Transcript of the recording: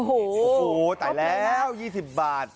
โอ้โหตายแล้ว๒๐บาท